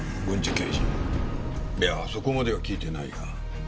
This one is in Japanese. いやそこまでは聞いていないが。